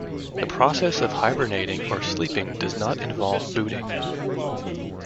The process of hibernating or sleeping does not involve booting.